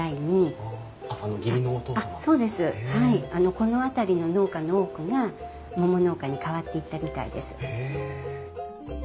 この辺りの農家の多くが桃農家に変わっていったみたいです。